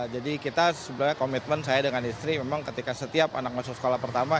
jadi kita sebenarnya komitmen saya dengan istri memang ketika setiap anak masuk sekolah pertama